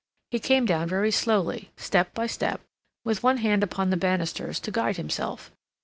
He came down very slowly, step by step, with one hand upon the banisters to guide himself.